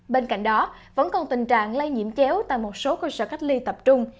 bên cạnh đó vẫn còn tình trạng lây nhiễm chéo tại một số cơ sở cách ly tập trung